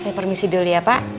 saya permisi dulu ya pak